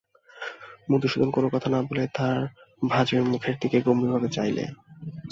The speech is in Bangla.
মধুসূদন কোনো কথা না বলে তার ভাজের মুখের দিকে গম্ভীরভাবে চাইলে।